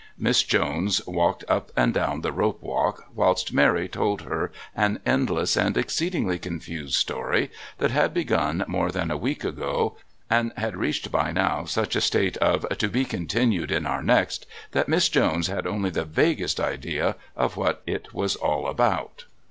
Miss Jones walked up and down the Rope Walk, whilst Mary told her an endless and exceedingly confused story that had begun more than a week ago and had reached by now such a state of "To be continued in our next" that Miss Jones had only the vaguest idea of what it was all about.